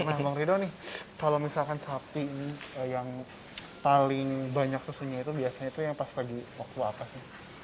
nah bang ridho nih kalau misalkan sapi ini yang paling banyak susunya itu biasanya itu yang pas lagi waktu apa sih